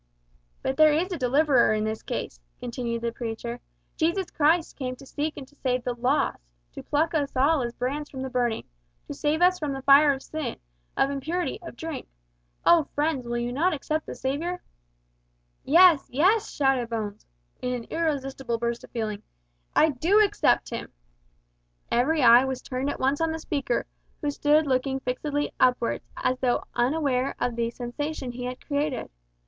"But there is a Deliverer in this case," continued the preacher. "`Jesus Christ came to seek and to save the lost;' to pluck us all as brands from the burning; to save us from the fire of sin, of impurity, of drink! Oh, friends, will you not accept the Saviour " "Yes! yes!" shouted Bones, in an irresistible burst of feeling, "I do accept Him!" Every eye was turned at once on the speaker, who stood looking fixedly upwards, as though unaware of the sensation he had created.